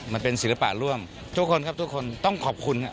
มันเป็นศิลปะร่วมทุกคนครับทุกคนต้องขอบคุณครับ